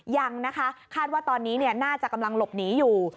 ยังนะคะคาดว่าตอนนี้น่าจะกำลังหลบหนีอยู่